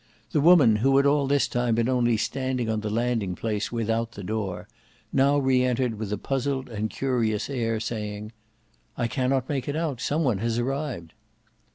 The woman who had all this time been only standing on the landing place without the door, now re entered with a puzzled and curious air, saying, "I cannot make it out; some one has arrived."